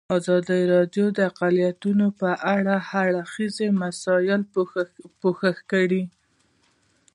ازادي راډیو د اقلیتونه په اړه د هر اړخیزو مسایلو پوښښ کړی.